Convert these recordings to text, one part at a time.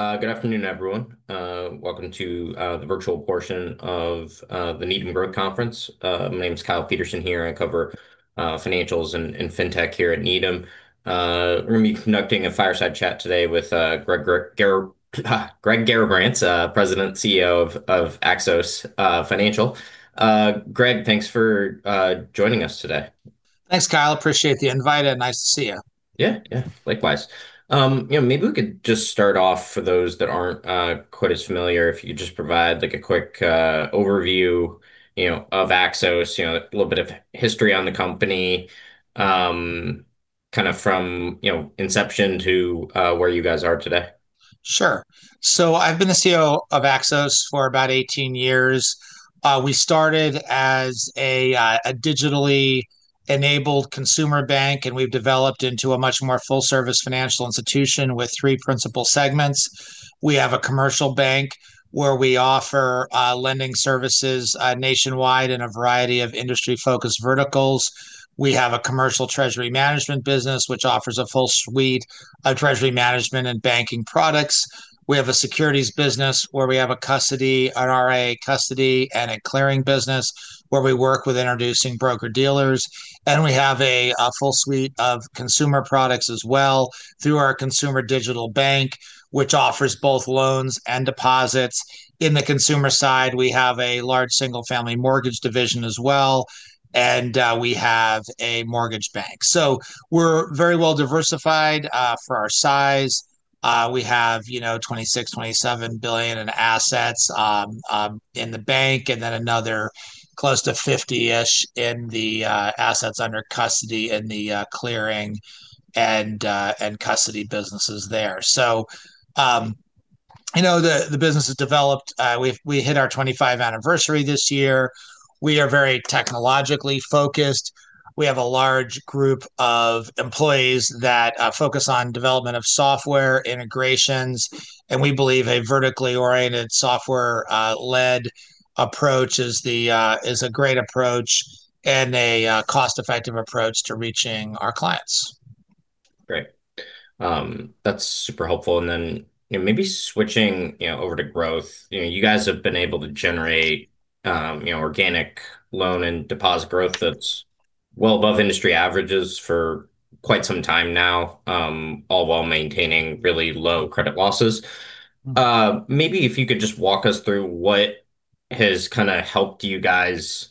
Good afternoon, everyone. Welcome to the virtual portion of the Needham Growth Conference. My name is Kyle Peterson here. I cover financials and fintech here at Needham. We're going to be conducting a fireside chat today with Greg Garrabrants, President and CEO of Axos Financial. Greg, thanks for joining us today. Thanks, Kyle. Appreciate the invite. Nice to see you. Yeah, yeah, likewise. You know, maybe we could just start off, for those that aren't quite as familiar, if you could just provide a quick overview of Axos, a little bit of history on the company, kind of from inception to where you guys are today. Sure, so I've been the CEO of Axos for about 18 years. We started as a digitally enabled consumer bank, and we've developed into a much more full-service financial institution with three principal segments. We have a commercial bank where we offer lending services nationwide in a variety of industry-focused verticals. We have a commercial treasury management business, which offers a full suite of treasury management and banking products. We have a securities business where we have a custody, an RIA custody, and a clearing business where we work with introducing broker-dealers, and we have a full suite of consumer products as well through our consumer digital bank, which offers both loans and deposits. In the consumer side, we have a large single-family mortgage division as well, and we have a mortgage bank, so we're very well diversified for our size. We have $26 billion,27 billion in assets in the bank, and then another close to $50-ish in the assets under custody and the clearing and custody businesses there. So the business has developed. We hit our 25th anniversary this year. We are very technologically focused. We have a large group of employees that focus on development of software integrations, and we believe a vertically oriented, software-led approach is a great approach and a cost-effective approach to reaching our clients. Great. That's super helpful. And then maybe switching over to growth, you guys have been able to generate organic loan and deposit growth that's well above industry averages for quite some time now, all while maintaining really low credit losses. Maybe if you could just walk us through what has kind of helped you guys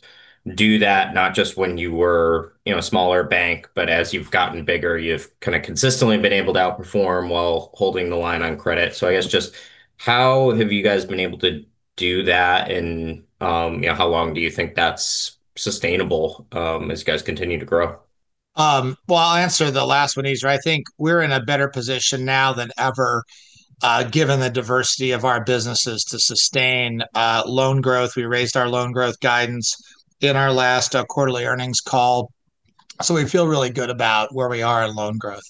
do that, not just when you were a smaller bank, but as you've gotten bigger, you've kind of consistently been able to outperform while holding the line on credit. So I guess just how have you guys been able to do that, and how long do you think that's sustainable as you guys continue to grow? Well, I'll answer the last one easier. I think we're in a better position now than ever, given the diversity of our businesses to sustain loan growth. We raised our loan growth guidance in our last quarterly earnings call. So we feel really good about where we are in loan growth.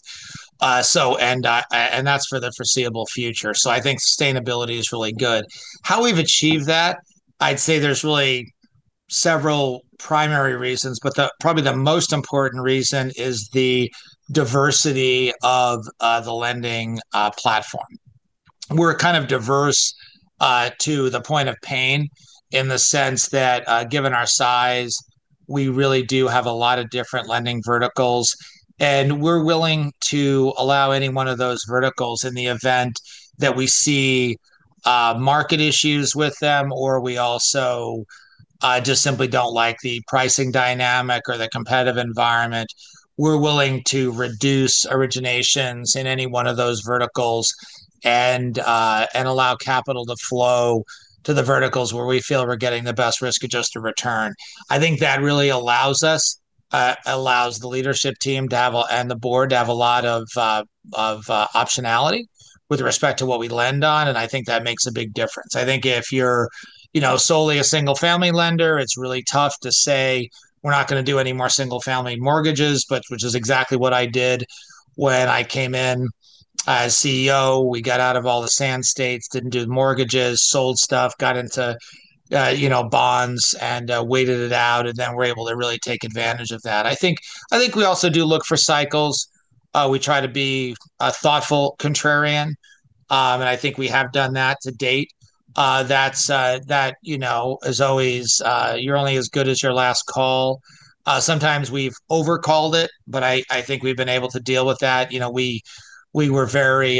And that's for the foreseeable future. So I think sustainability is really good. How we've achieved that, I'd say there's really several primary reasons, but probably the most important reason is the diversity of the lending platform. We're kind of diverse to the point of pain in the sense that, given our size, we really do have a lot of different lending verticals. And we're willing to allow any one of those verticals in the event that we see market issues with them, or we also just simply don't like the pricing dynamic or the competitive environment. We're willing to reduce originations in any one of those verticals and allow capital to flow to the verticals where we feel we're getting the best risk-adjusted return. I think that really allows us, allows the leadership team and the board to have a lot of optionality with respect to what we lend on, and I think that makes a big difference. I think if you're solely a single-family lender, it's really tough to say, "We're not going to do any more single-family mortgages," which is exactly what I did when I came in as CEO. We got out of all the Sand States, didn't do mortgages, sold stuff, got into bonds, and waited it out, and then we're able to really take advantage of that. I think we also do look for cycles. We try to be a thoughtful contrarian, and I think we have done that to date. That's always, you're only as good as your last call. Sometimes we've overcalled it, but I think we've been able to deal with that. We were very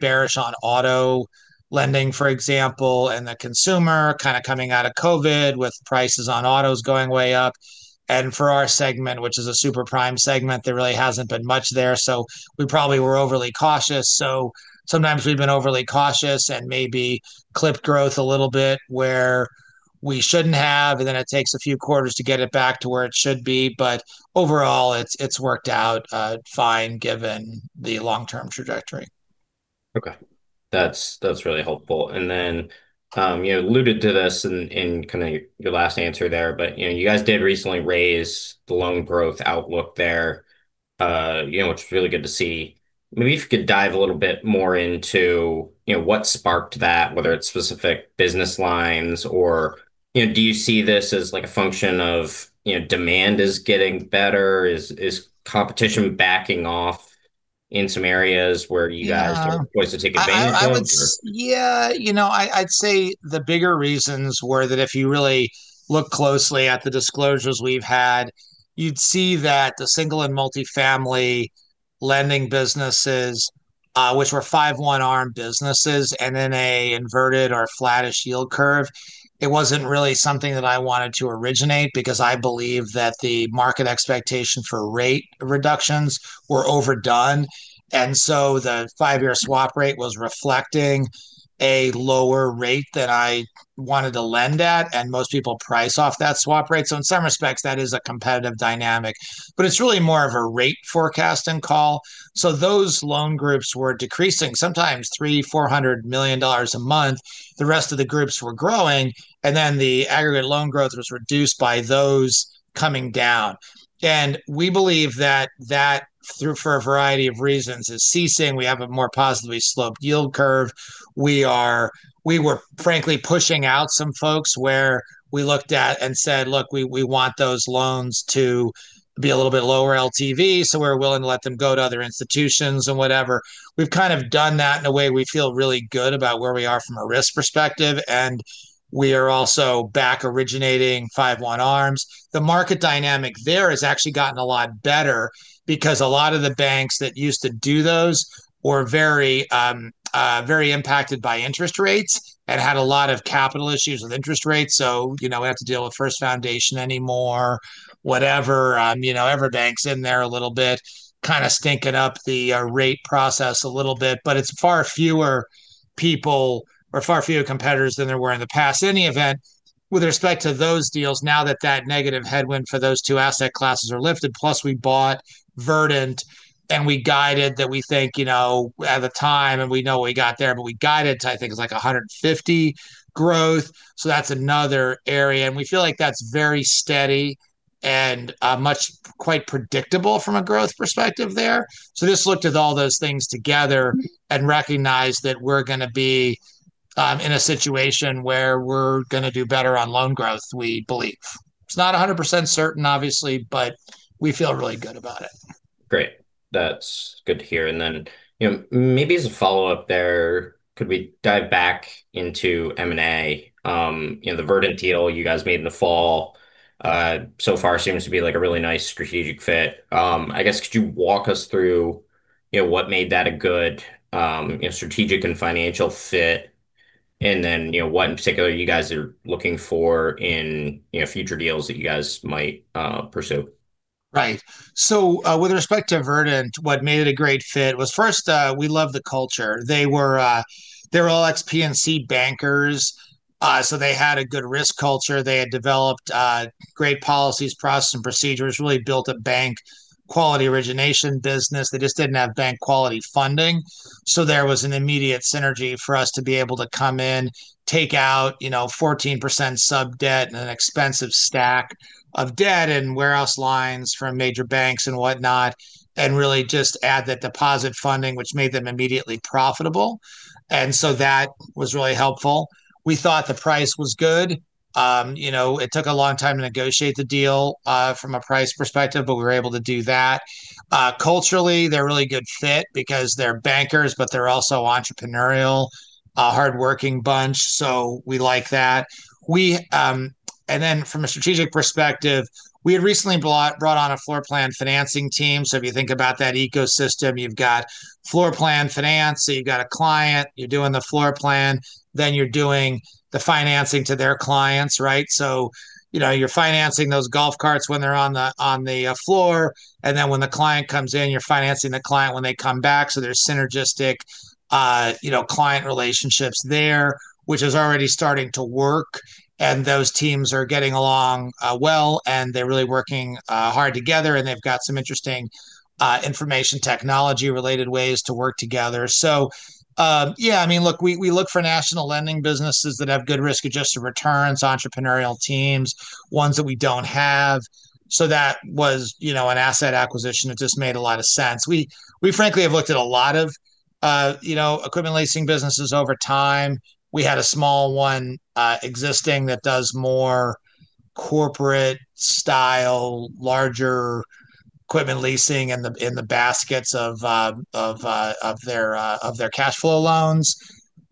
bearish on auto lending, for example, and the consumer kind of coming out of COVID with prices on autos going way up, and for our segment, which is a super prime segment, there really hasn't been much there. So we probably were overly cautious. So sometimes we've been overly cautious and maybe clipped growth a little bit where we shouldn't have, and then it takes a few quarters to get it back to where it should be. But overall, it's worked out fine given the long-term trajectory. Okay. That's really helpful. And then you alluded to this in kind of your last answer there, but you guys did recently raise the loan growth outlook there, which is really good to see. Maybe if you could dive a little bit more into what sparked that, whether it's specific business lines, or do you see this as a function of demand is getting better? Is competition backing off in some areas where you guys are poised to take advantage of? Yeah. I'd say the bigger reasons were that if you really look closely at the disclosures we've had, you'd see that the single and multifamily lending businesses, which were 5/1 ARM businesses and in an inverted or flattish yield curve, it wasn't really something that I wanted to originate because I believe that the market expectation for rate reductions were overdone. And so the five-year swap rate was reflecting a lower rate than I wanted to lend at, and most people price off that swap rate. So in some respects, that is a competitive dynamic, but it's really more of a rate forecasting call. So those loan groups were decreasing, sometimes $300million-$400 million a month. The rest of the groups were growing, and then the aggregate loan growth was reduced by those coming down. And we believe that that, for a variety of reasons, is ceasing. We have a more positively sloped yield curve. We were, frankly, pushing out some folks where we looked at and said, "Look, we want those loans to be a little bit lower LTV, so we're willing to let them go to other institutions and whatever." We've kind of done that in a way we feel really good about where we are from a risk perspective, and we are also back originating 5/1 ARMs. The market dynamic there has actually gotten a lot better because a lot of the banks that used to do those were very impacted by interest rates and had a lot of capital issues with interest rates. So we have to deal with First Foundation anymore, whatever, EverBank in there a little bit, kind of stinking up the rate process a little bit. But it's far fewer people or far fewer competitors than there were in the past. In any event, with respect to those deals, now that that negative headwind for those two asset classes are lifted, plus we bought Verdant, and we guided that we think at the time, and we know what we got there, but we guided to, I think it's like 150 growth. So that's another area. And we feel like that's very steady and quite predictable from a growth perspective there. So just looked at all those things together and recognized that we're going to be in a situation where we're going to do better on loan growth, we believe. It's not 100% certain, obviously, but we feel really good about it. Great. That's good to hear. And then maybe as a follow-up there, could we dive back into M&A? The Verdant deal you guys made in the fall so far seems to be a really nice strategic fit. I guess, could you walk us through what made that a good strategic and financial fit, and then what in particular you guys are looking for in future deals that you guys might pursue? Right. So with respect to Verdant, what made it a great fit was first, we loved the culture. They were all PNC bankers, so they had a good risk culture. They had developed great policies, processes, and procedures, really built a bank quality origination business. They just didn't have bank quality funding. So there was an immediate synergy for us to be able to come in, take out 14% sub-debt and an expensive stack of debt and warehouse lines from major banks and whatnot, and really just add that deposit funding, which made them immediately profitable. And so that was really helpful. We thought the price was good. It took a long time to negotiate the deal from a price perspective, but we were able to do that. Culturally, they're a really good fit because they're bankers, but they're also entrepreneurial, hardworking bunch, so we like that. And then from a strategic perspective, we had recently brought on a floor plan financing team. So if you think about that ecosystem, you've got floor plan finance, so you've got a client, you're doing the floor plan, then you're doing the financing to their clients, right? So you're financing those golf carts when they're on the floor, and then when the client comes in, you're financing the client when they come back. So there's synergistic client relationships there, which is already starting to work, and those teams are getting along well, and they're really working hard together, and they've got some interesting information technology-related ways to work together. So yeah, I mean, look, we look for national lending businesses that have good risk-adjusted returns, entrepreneurial teams, ones that we don't have. So that was an asset acquisition that just made a lot of sense. We, frankly, have looked at a lot of equipment leasing businesses over time. We had a small one existing that does more corporate-style, larger equipment leasing in the baskets of their cash flow loans.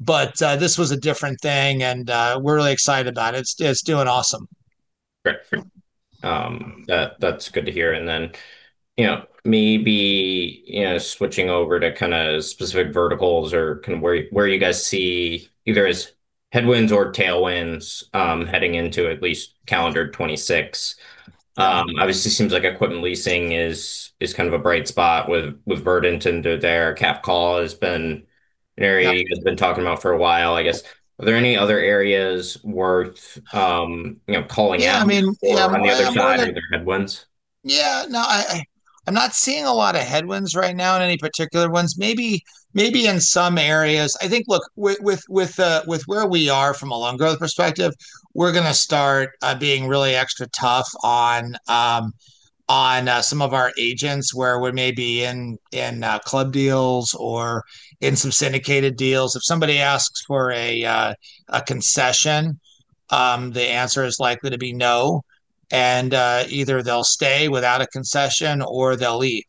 But this was a different thing, and we're really excited about it. It's doing awesome. Great. That's good to hear. And then maybe switching over to kind of specific verticals or kind of where you guys see either as headwinds or tailwinds heading into at least calendar 26. Obviously, it seems like equipment leasing is kind of a bright spot with Verdant and their Cap Call has been an area you've been talking about for a while, I guess. Are there any other areas worth calling out on the other side of their headwinds? Yeah. No, I'm not seeing a lot of headwinds right now in any particular ones. Maybe in some areas. I think, look, with where we are from a loan growth perspective, we're going to start being really extra tough on some of our agents where we may be in club deals or in some syndicated deals. If somebody asks for a concession, the answer is likely to be no. And either they'll stay without a concession or they'll leave.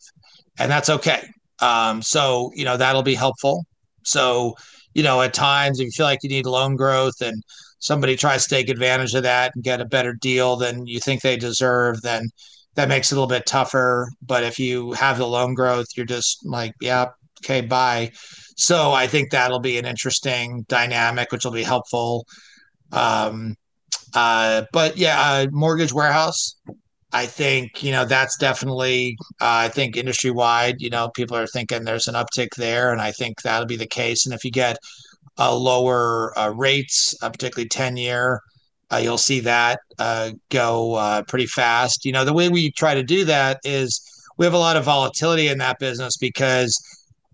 And that's okay. So that'll be helpful. So at times, if you feel like you need loan growth and somebody tries to take advantage of that and get a better deal than you think they deserve, then that makes it a little bit tougher. But if you have the loan growth, you're just like, "Yeah, okay, bye." So I think that'll be an interesting dynamic, which will be helpful. But yeah, mortgage warehouse, I think that's definitely, I think, industry-wide, people are thinking there's an uptick there, and I think that'll be the case. And if you get lower rates, particularly 10-year, you'll see that go pretty fast. The way we try to do that is we have a lot of volatility in that business because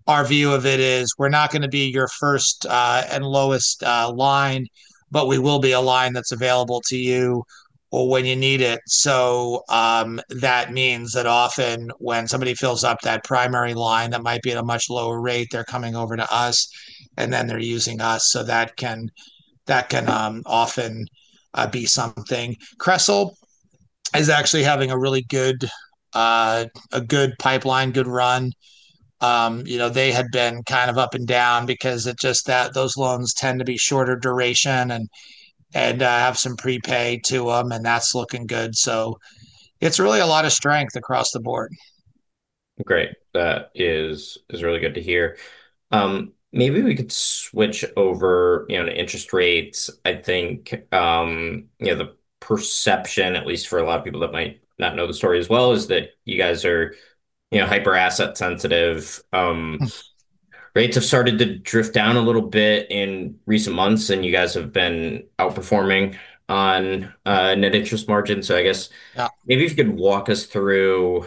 our view of it is we're not going to be your first and lowest line, but we will be a line that's available to you when you need it. So that means that often when somebody fills up that primary line that might be at a much lower rate, they're coming over to us, and then they're using us. So that can often be something. CRESL is actually having a really good pipeline, good run. They had been kind of up and down because it's just that those loans tend to be shorter duration and have some prepay to them, and that's looking good. So it's really a lot of strength across the board. Great. That is really good to hear. Maybe we could switch over to interest rates. I think the perception, at least for a lot of people that might not know the story as well, is that you guys are hyper-asset sensitive. Rates have started to drift down a little bit in recent months, and you guys have been outperforming on net interest margin. So I guess maybe if you could walk us through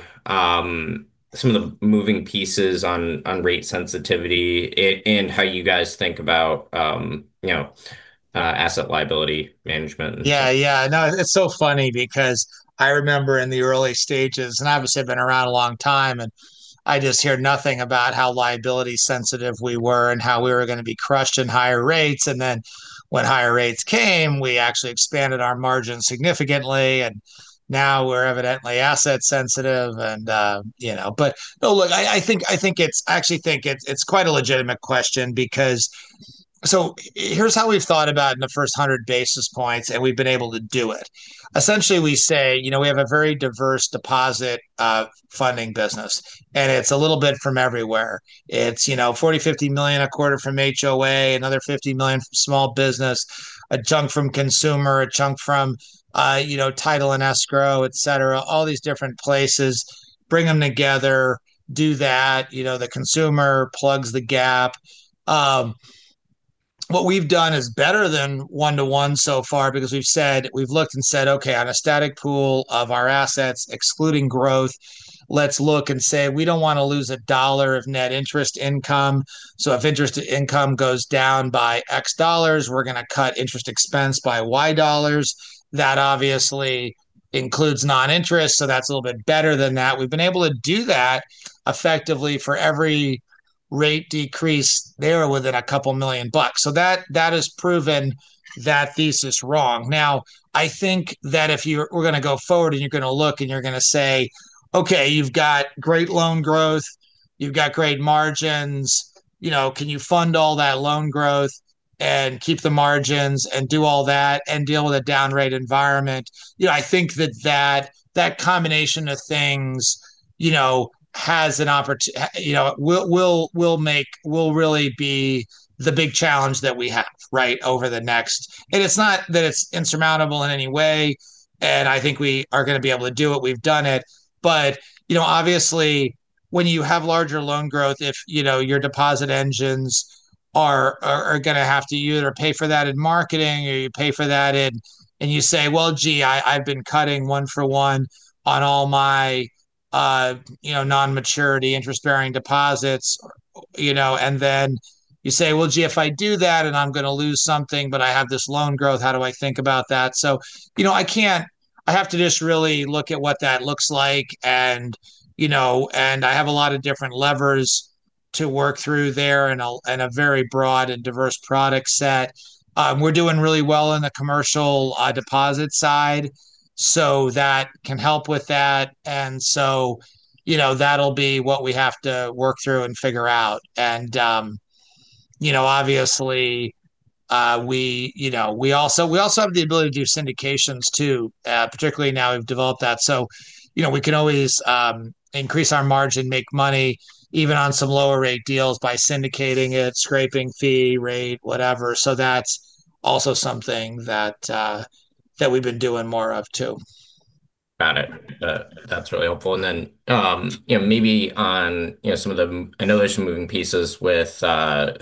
some of the moving pieces on rate sensitivity and how you guys think about asset liability management. Yeah. Yeah. No, it's so funny because I remember in the early stages, and obviously I've been around a long time, and I just hear nothing about how liability sensitive we were and how we were going to be crushed in higher rates. And then when higher rates came, we actually expanded our margin significantly, and now we're evidently asset sensitive. But no, look, I actually think it's quite a legitimate question because so here's how we've thought about it in the first 100 basis points, and we've been able to do it. Essentially, we say we have a very diverse deposit funding business, and it's a little bit from everywhere. It's $40 million,$50 million a quarter from HOA, another $50 million from small business, a chunk from consumer, a chunk from title and escrow, etc., all these different places. Bring them together, do that. The consumer plugs the gap. What we've done is better than one-to-one so far because we've said we've looked and said, "Okay, on a static pool of our assets, excluding growth, let's look and say we don't want to lose a dollar of net interest income. So if interest income goes down by X dollars, we're going to cut interest expense by Y dollars." That obviously includes non-interest, so that's a little bit better than that. We've been able to do that effectively for every rate decrease there within a couple million bucks. So that has proven that thesis wrong. Now, I think that if you're going to go forward and you're going to look and you're going to say, "Okay, you've got great loan growth, you've got great margins, can you fund all that loan growth and keep the margins and do all that and deal with a down rate environment?" I think that that combination of things has an opportunity will really be the big challenge that we have, right, over the next and it's not that it's insurmountable in any way, and I think we are going to be able to do it. We've done it. But obviously, when you have larger loan growth, if your deposit engines are going to have to either pay for that in marketing or you pay for that and you say, "Well, gee, I've been cutting one for one on all my non-maturity interest-bearing deposits," and then you say, "Well, gee, if I do that and I'm going to lose something, but I have this loan growth, how do I think about that?" So I have to just really look at what that looks like, and I have a lot of different levers to work through there and a very broad and diverse product set. We're doing really well on the commercial deposit side, so that can help with that. And so that'll be what we have to work through and figure out. And obviously, we also have the ability to do syndications too, particularly now we've developed that. So we can always increase our margin, make money even on some lower rate deals by syndicating it, spread and fee, rate, whatever. So that's also something that we've been doing more of too. Got it. That's really helpful. And then maybe on some of the, I know there's moving pieces with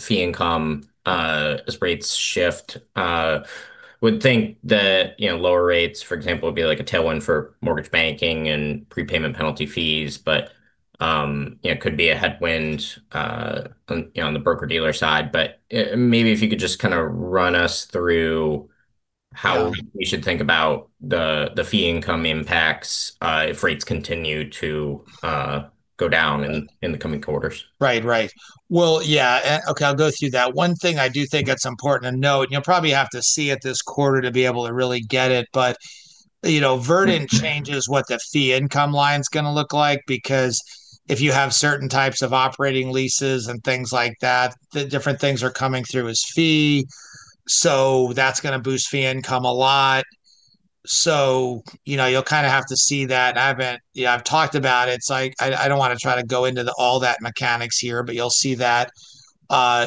fee income as rates shift. Would think that lower rates, for example, would be like a tailwind for mortgage banking and prepayment penalty fees, but it could be a headwind on the broker-dealer side. But maybe if you could just kind of run us through how we should think about the fee income impacts if rates continue to go down in the coming quarters. Right. Right. Well, yeah. Okay. I'll go through that. One thing I do think that's important to note, and you'll probably have to see it this quarter to be able to really get it, but Verdant changes what the fee income line is going to look like because if you have certain types of operating leases and things like that, the different things are coming through as fee. So that's going to boost fee income a lot. So you'll kind of have to see that. I've talked about it. So I don't want to try to go into all that mechanics here, but you'll see that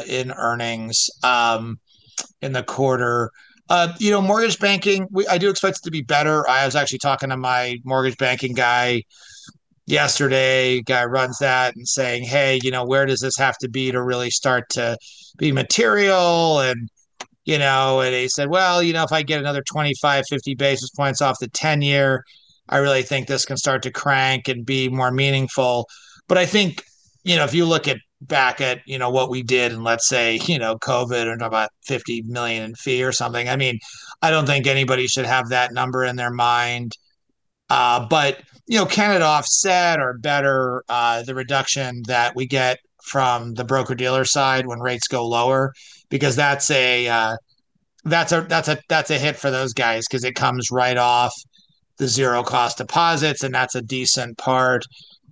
in earnings in the quarter. Mortgage banking, I do expect it to be better. I was actually talking to my mortgage banking guy yesterday, guy runs that and saying, "Hey, where does this have to be to really start to be material?" And he said, "Well, if I get another 25-50 basis points off the 10-year, I really think this can start to crank and be more meaningful." But I think if you look back at what we did and let's say COVID and about $50 million in fee or something, I mean, I don't think anybody should have that number in their mind. But can it offset or better the reduction that we get from the broker-dealer side when rates go lower? Because that's a hit for those guys because it comes right off the zero-cost deposits, and that's a decent part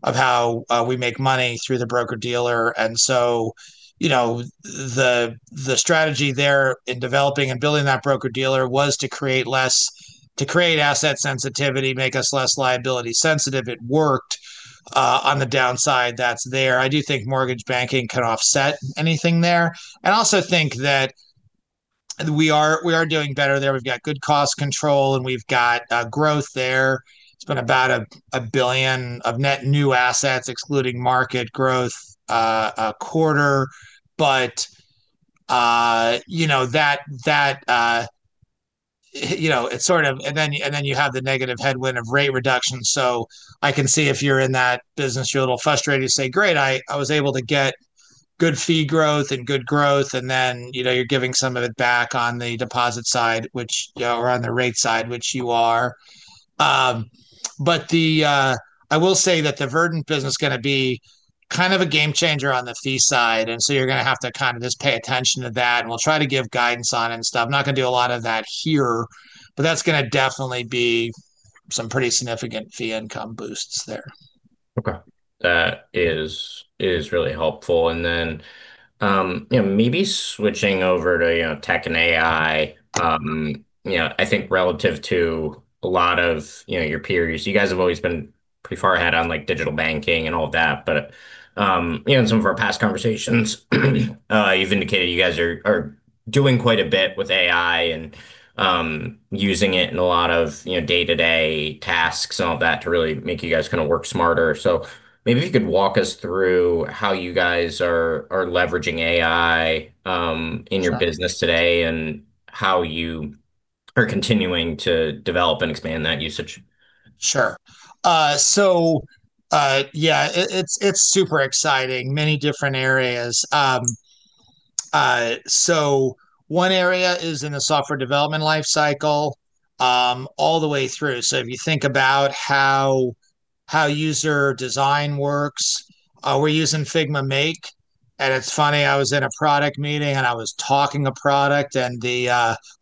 of how we make money through the broker-dealer. And so the strategy there in developing and building that broker-dealer was to create asset sensitivity, make us less liability sensitive. It worked on the downside that's there. I do think mortgage banking can offset anything there. I also think that we are doing better there. We've got good cost control, and we've got growth there. It's been about a billion of net new assets, excluding market growth a quarter. But that, it's sort of, and then you have the negative headwind of rate reduction. So I can see if you're in that business, you're a little frustrated. You say, "Great, I was able to get good fee growth and good growth," and then you're giving some of it back on the deposit side, which around the rate side, which you are. But I will say that the Verdant business is going to be kind of a game changer on the fee side. And so you're going to have to kind of just pay attention to that, and we'll try to give guidance on it and stuff. I'm not going to do a lot of that here, but that's going to definitely be some pretty significant fee income boosts there. Okay. That is really helpful. And then maybe switching over to tech and AI, I think relative to a lot of your peers, you guys have always been pretty far ahead on digital banking and all of that. But in some of our past conversations, you've indicated you guys are doing quite a bit with AI and using it in a lot of day-to-day tasks and all that to really make you guys kind of work smarter. So maybe if you could walk us through how you guys are leveraging AI in your business today and how you are continuing to develop and expand that usage. Sure. So yeah, it's super exciting. Many different areas, so one area is in the software development life cycle all the way through. So if you think about how user design works, we're using Figma Make, and it's funny. I was in a product meeting, and I was talking a product, and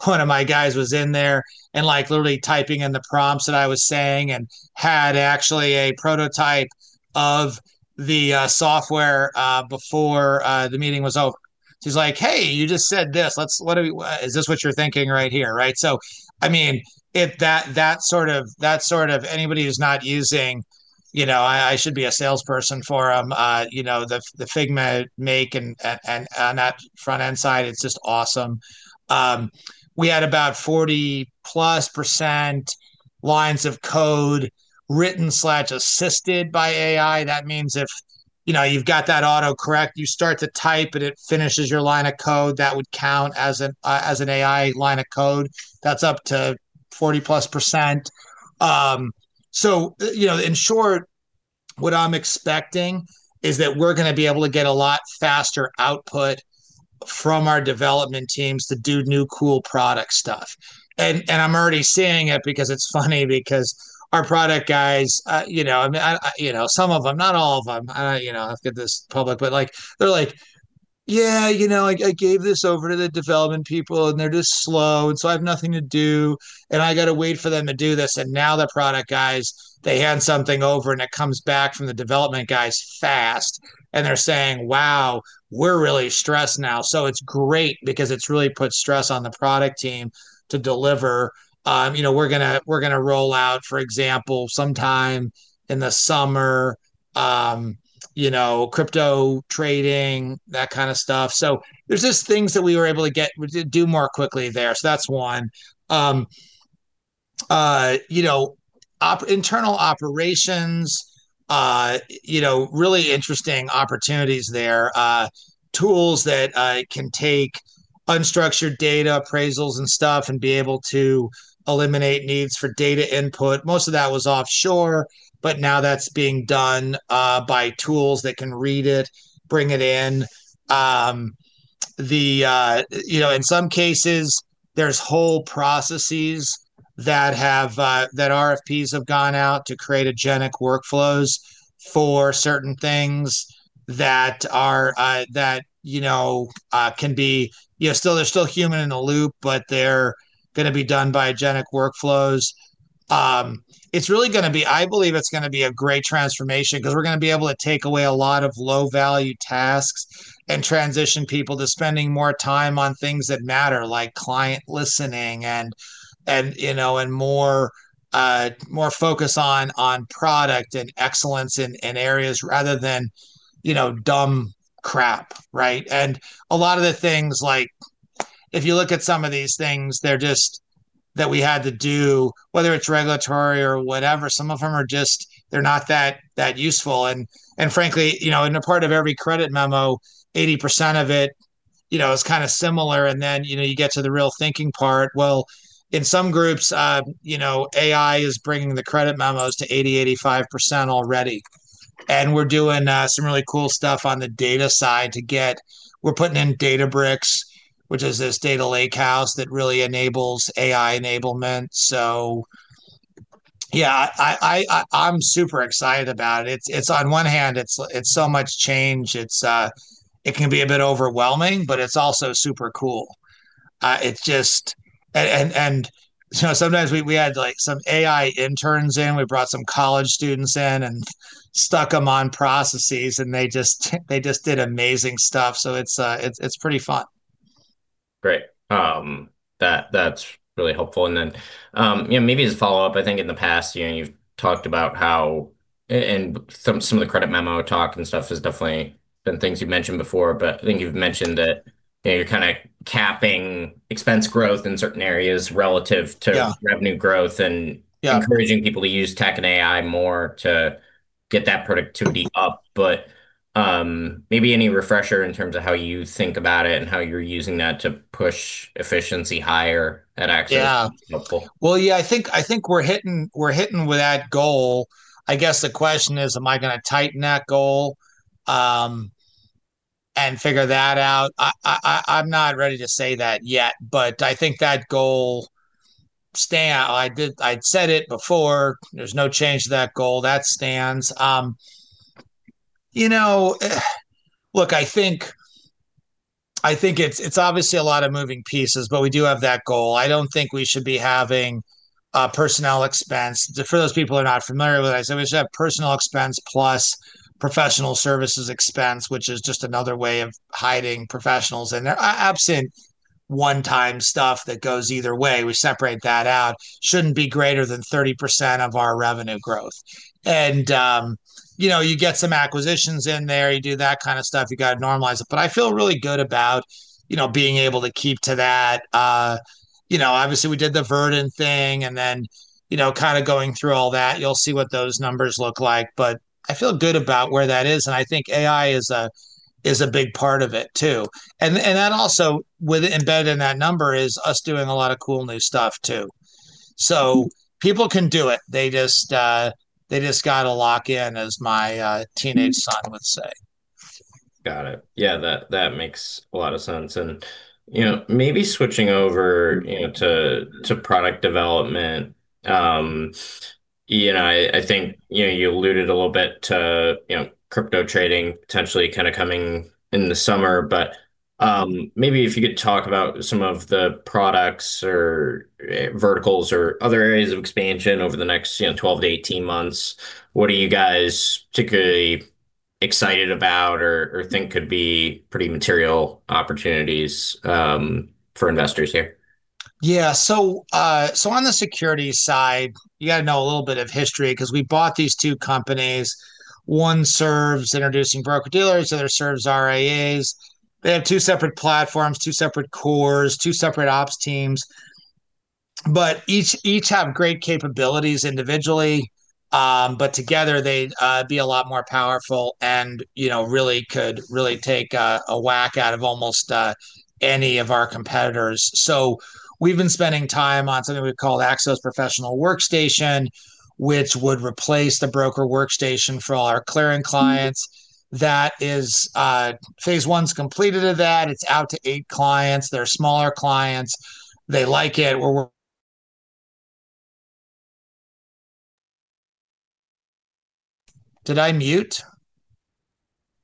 one of my guys was in there and literally typing in the prompts that I was saying and had actually a prototype of the software before the meeting was over. He's like, "Hey, you just said this. Is this what you're thinking right here?" Right? So I mean, if that sort of anybody who's not using, I should be a salesperson for them, the Figma Make on that front end side, it's just awesome. We had about 40-plus% lines of code written/assisted by AI. That means if you've got that auto-correct, you start to type and it finishes your line of code, that would count as an AI line of code. That's up to 40-plus%. So in short, what I'm expecting is that we're going to be able to get a lot faster output from our development teams to do new cool product stuff. And I'm already seeing it because it's funny because our product guys, I mean, some of them, not all of them, I don't get this public, but they're like, "Yeah, I gave this over to the development people, and they're just slow. And so I have nothing to do, and I got to wait for them to do this." And now the product guys, they hand something over, and it comes back from the development guys fast. And they're saying, "Wow, we're really stressed now." So it's great because it's really put stress on the product team to deliver. We're going to roll out, for example, sometime in the summer, crypto trading, that kind of stuff. So there's just things that we were able to do more quickly there. So that's one. Internal operations, really interesting opportunities there. Tools that can take unstructured data appraisals and stuff and be able to eliminate needs for data input. Most of that was offshore, but now that's being done by tools that can read it, bring it in. In some cases, there's whole processes that RFPs have gone out to create agentic workflows for certain things that can be still, they're still human in the loop, but they're going to be done by agentic workflows. It's really going to be, I believe it's going to be a great transformation because we're going to be able to take away a lot of low-value tasks and transition people to spending more time on things that matter, like client listening and more focus on product and excellence in areas rather than dumb crap. Right? And a lot of the things, if you look at some of these things that we had to do, whether it's regulatory or whatever, some of them are just, they're not that useful. And frankly, in a part of every credit memo, 80% of it is kind of similar. And then you get to the real thinking part. Well, in some groups, AI is bringing the credit memos to 80%-85% already. And we're doing some really cool stuff on the data side. We're putting in Databricks, which is this data lakehouse that really enables AI enablement. So yeah, I'm super excited about it. On one hand, it's so much change. It can be a bit overwhelming, but it's also super cool. And sometimes we had some AI interns in. We brought some college students in and stuck them on processes, and they just did amazing stuff. So it's pretty fun. Great. That's really helpful. And then maybe as a follow-up, I think in the past, you've talked about how some of the credit memo talk and stuff has definitely been things you've mentioned before, but I think you've mentioned that you're kind of capping expense growth in certain areas relative to revenue growth and encouraging people to use tech and AI more to get that productivity up. But maybe any refresher in terms of how you think about it and how you're using that to push efficiency higher at Axos? Yeah. Well, yeah, I think we're hitting with that goal. I guess the question is, am I going to tighten that goal and figure that out? I'm not ready to say that yet, but I think that goal stands. I'd said it before. There's no change to that goal. That stands. Look, I think it's obviously a lot of moving pieces, but we do have that goal. I don't think we should be having personnel expense. For those people who are not familiar with it, I said we should have personnel expense plus professional services expense, which is just another way of hiding professionals. And absent one-time stuff that goes either way, we separate that out. Shouldn't be greater than 30% of our revenue growth. And you get some acquisitions in there. You do that kind of stuff. You got to normalize it. But I feel really good about being able to keep to that. Obviously, we did the Verdant thing, and then kind of going through all that, you'll see what those numbers look like. But I feel good about where that is. And I think AI is a big part of it too. And then also embedded in that number is us doing a lot of cool new stuff too. So people can do it. They just got to lock in, as my teenage son would say. Got it. Yeah. That makes a lot of sense. And maybe switching over to product development, I think you alluded a little bit to crypto trading potentially kind of coming in the summer. But maybe if you could talk about some of the products or verticals or other areas of expansion over the next 12 to 18 months, what are you guys particularly excited about or think could be pretty material opportunities for investors here? Yeah. So on the security side, you got to know a little bit of history because we bought these two companies. One serves introducing broker-dealers. The other serves RIAs. They have two separate platforms, two separate cores, two separate ops teams. But each have great capabilities individually, but together, they'd be a lot more powerful and really could really take a whack out of almost any of our competitors. So we've been spending time on something we call Axos Professional Workstation, which would replace the broker workstation for all our clearing clients. Phase one's completed of that. It's out to eight clients. They're smaller clients. They like it. Did I mute?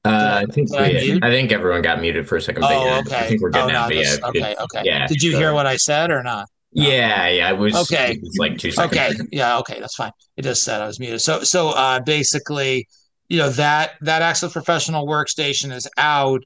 I think everyone got muted for a second, but yeah, I think we're good now. Okay. Did you hear what I said or not? Yeah. Yeah. It was like two seconds. Okay. Yeah. Okay. That's fine. It just said I was muted, so basically, that Axos Professional Workstation is out.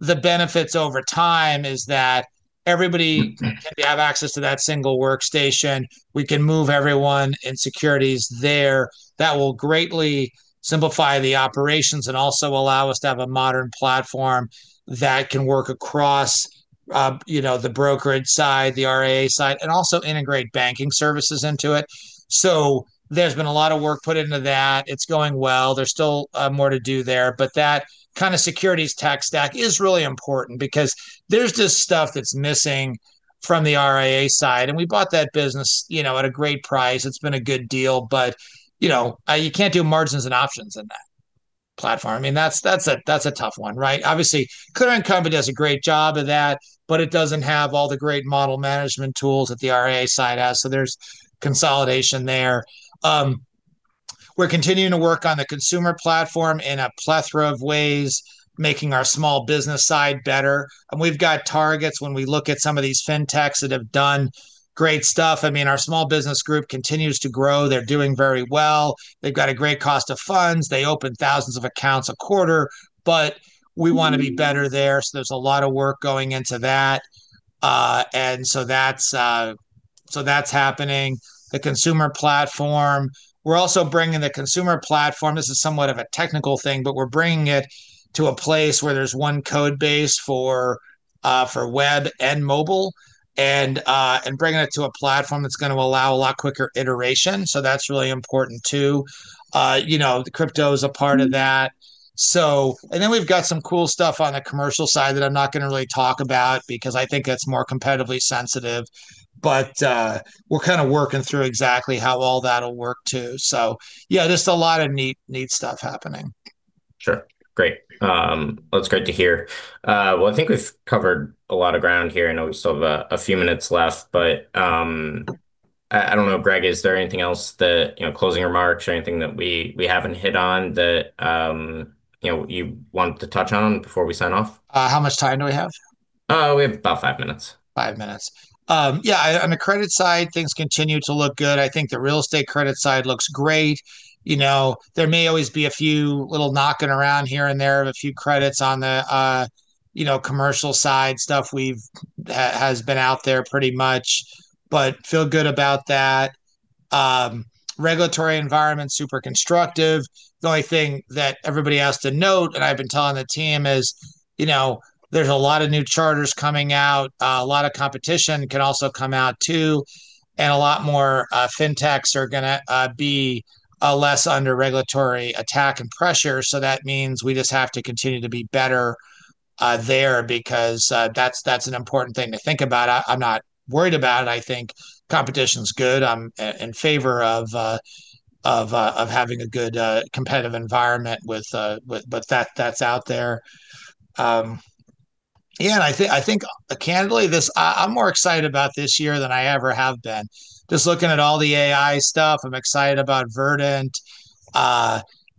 The benefits over time is that everybody can have access to that single workstation. We can move everyone in securities there. That will greatly simplify the operations and also allow us to have a modern platform that can work across the brokerage side, the RIA side, and also integrate banking services into it, so there's been a lot of work put into that. It's going well. There's still more to do there, but that kind of securities tech stack is really important because there's just stuff that's missing from the RIA side, and we bought that business at a great price. It's been a good deal, but you can't do margins and options in that platform. I mean, that's a tough one, right? Obviously, Needham & Company does a great job of that, but it doesn't have all the great model management tools that the RIA side has, so there's consolidation there. We're continuing to work on the consumer platform in a plethora of ways, making our small business side better, and we've got targets when we look at some of these fintechs that have done great stuff. I mean, our small business group continues to grow. They're doing very well. They've got a great cost of funds. They open thousands of accounts a quarter, but we want to be better there. So there's a lot of work going into that, and so that's happening. The consumer platform, we're also bringing the consumer platform. This is somewhat of a technical thing, but we're bringing it to a place where there's one code base for web and mobile and bringing it to a platform that's going to allow a lot quicker iteration. So that's really important too. Crypto is a part of that. And then we've got some cool stuff on the commercial side that I'm not going to really talk about because I think it's more competitively sensitive. But we're kind of working through exactly how all that will work too. So yeah, just a lot of neat stuff happening. Sure. Great. Well, it's great to hear. Well, I think we've covered a lot of ground here. I know we still have a few minutes left, but I don't know, Greg, is there anything else, closing remarks, or anything that we haven't hit on that you want to touch on before we sign off? How much time do we have? We have about five minutes. Five minutes. Yeah. On the credit side, things continue to look good. I think the real estate credit side looks great. There may always be a few little knocking around here and there of a few credits on the commercial side. Stuff has been out there pretty much, but feel good about that. Regulatory environment, super constructive. The only thing that everybody has to note, and I've been telling the team, is there's a lot of new charters coming out. A lot of competition can also come out too. And a lot more fintechs are going to be less under regulatory attack and pressure. So that means we just have to continue to be better there because that's an important thing to think about. I'm not worried about it. I think competition is good. I'm in favor of having a good competitive environment with what's out there. Yeah. And I think, candidly, I'm more excited about this year than I ever have been. Just looking at all the AI stuff, I'm excited about Verdant,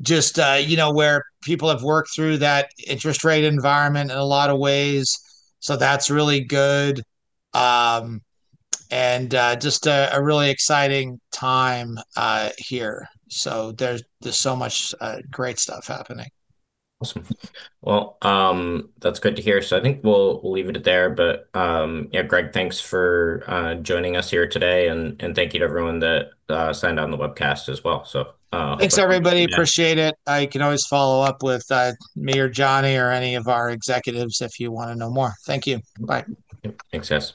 just where people have worked through that interest rate environment in a lot of ways. So that's really good. And just a really exciting time here. So there's so much great stuff happening. Awesome. Well, that's good to hear. So I think we'll leave it at that. But yeah, Greg, thanks for joining us here today. And thank you to everyone that signed on the webcast as well. So. Thanks, everybody. Appreciate it. You can always follow up with me or Johnny or any of our executives if you want to know more. Thank you. Bye. Thanks.